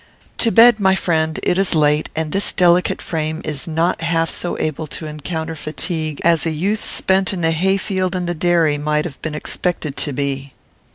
"To bed, my friend; it is late, and this delicate frame is not half so able to encounter fatigue as a youth spent in the hay field and the dairy might have been expected to be."